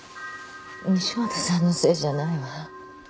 西本さんのせいじゃないわ。